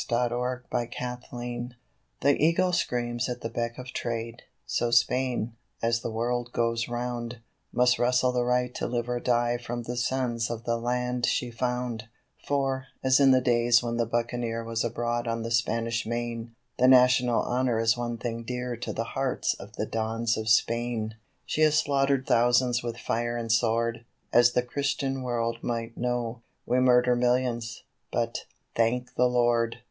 THE DONS OF SPAIN The Eagle screams at the beck of trade, so Spain, as the world goes round, Must wrestle the right to live or die from the sons of the land she found; For, as in the days when the buccaneer was abroad on the Spanish Main, The national honour is one thing dear to the hearts of the Dons of Spain. She has slaughtered thousands with fire and sword, as the Christian world might know; We murder millions, but, thank the Lord!